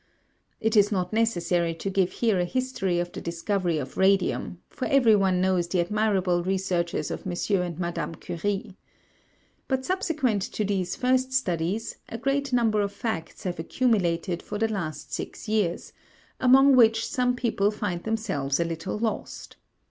It is not necessary to give here a history of the discovery of radium, for every one knows the admirable researches of M. and Madame Curie. But subsequent to these first studies, a great number of facts have accumulated for the last six years, among which some people find themselves a little lost.